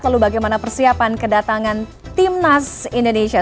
lalu bagaimana persiapan kedatangan timnas indonesia